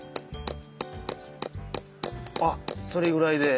あっそれぐらいで。